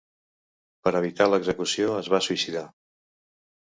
Per evitar l'execució es va suïcidar.